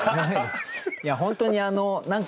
いや本当にあの何か。